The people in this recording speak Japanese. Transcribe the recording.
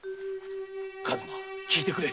数馬聞いてくれ。